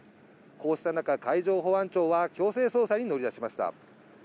こうしたなか、海上保安庁は強制捜査に乗り出しました。